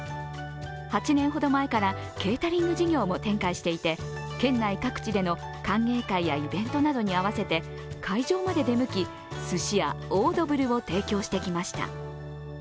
８年ほど前からケータリング事業も展開していて県内各地での歓迎会やイベントなどに合わせて会場まで出向きすしやオードブルを提供してきました。